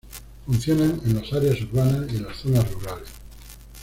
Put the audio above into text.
Funcionan en las áreas urbanas y en las zonas rurales.